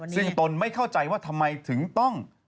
ซึ่งตนไม่เข้าใจว่าทำไมถึงต้อง